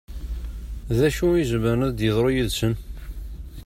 D acu i izemren ad d-yeḍru yid-sen?